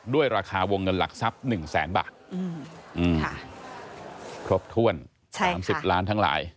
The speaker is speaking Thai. ด้วยราคาวงเงินหลักทรัพย์หนึ่งแสนบาท